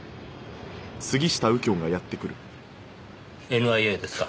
ＮＩＡですか。